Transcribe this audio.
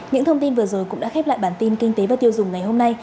những thông tin vừa rồi cũng đã khép lại bản tin kinh tế và tiêu dùng ngày hôm nay